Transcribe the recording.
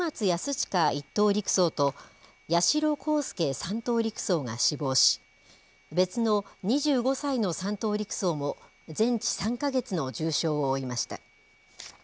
親１等陸曹と、八代航佑３等陸曹が死亡し、別の２５歳の３等陸曹も全治３か月の重傷を負いました。